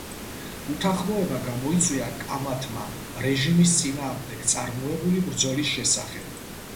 უთანხმოება გამოიწვია კამათმა რეჟიმის წინააღმდეგ წარმოებული ბრძოლის შესახებ.